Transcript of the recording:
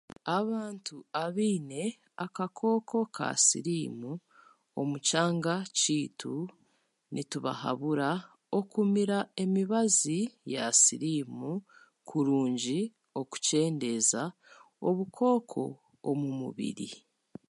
Abantu abaine akakooko ka siriimu omu kyanga kyaitu nitubahabura okumira emibazi ya siriimu kurungi okukyendeeza obukooko omu mubiri